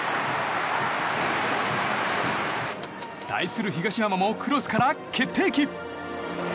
対する東山もクロスから決定機。